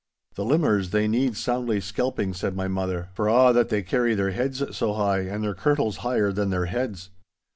'The limmers, they need soundly skelping!' said my mother, 'for a' that they carry their heads so high, and their kirtles higher than their heads!